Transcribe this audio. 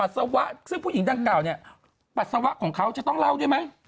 สวะซึ่งผู้หญิงดังกล่าวเนี่ยปัสสาวะของเขาจะต้องเล่าด้วยไหม